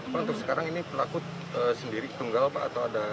pak untuk sekarang ini pelaku sendiri tunggal pak atau ada